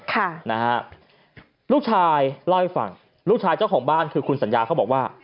ค่ะนะฮะลูกชายเล่าให้ฟังลูกชายเจ้าของบ้านคือคุณสัญญาเขาบอกว่า